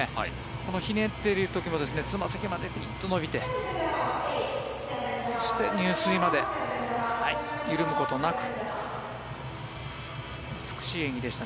このひねっている時もつま先までピンと伸びてそして入水まで緩むことなく美しい演技でした。